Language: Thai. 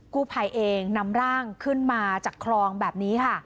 กู้ภัยเองนำร่างขึ้นมาจากคลองแบบนี้ค่ะ